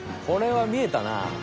これはみえたな。